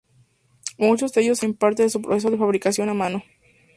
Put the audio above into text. Muchos de ellos se elaboran en parte de su proceso de fabricación a mano.